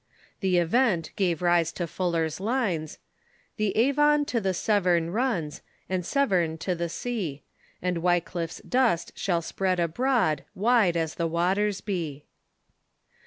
The event gave rise to Fuller's lines :" The Avon to the Severn runs, And Severn to the sea ; And Wycliflfe's dust shall spread abroad, Wide as the waters be."